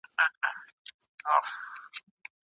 لېري زده کړه د تخنیکي ستونزو له امله ګډوډېږي.